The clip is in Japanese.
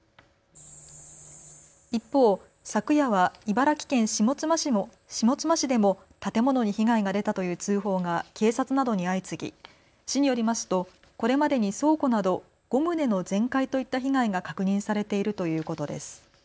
一方、昨夜は茨城県下妻市でも建物に被害が出たという通報が警察などに相次ぎ市によりますとこれまでに倉庫など５棟の全壊といった被害が確認されているということです。